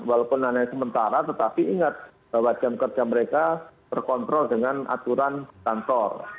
walaupun hanya sementara tetapi ingat bahwa jam kerja mereka terkontrol dengan aturan kantor